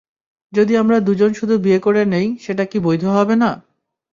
যদি আমরা দুজন শুধু বিয়ে করে নেই - সেটা কি বৈধ হবে না?